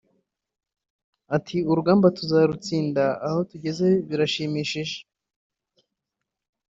Ati “Urugamba tuzarutsinda aho tugeze harashimishije